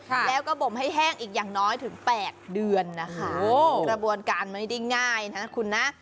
ค่ะแล้วก็บ่มให้แห้งอีกอย่างน้อยถึงแปดเดือนนะคะกระบวนการไม่ได้ง่ายนะคุณนะ